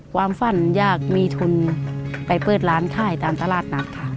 ความฝันอยากมีทุนไปเปิดร้านขายตามตลาดนัดค่ะ